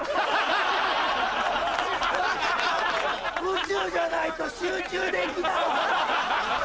宇宙じゃないと集中できない！